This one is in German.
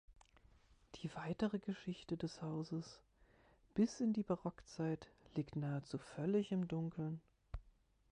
Die weitere Geschichte des Hauses bis in die Barockzeit liegt nahezu völlig im Dunkeln.